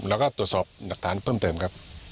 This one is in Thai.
แล้วก็ตรวจสอบหลักฐานเพิ่มเติมครับ